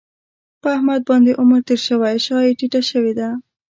په احمد باندې عمر تېر شوی شا یې ټیټه شوې ده.